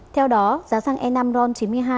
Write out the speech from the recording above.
theo đó giá xăng e năm ron chín mươi hai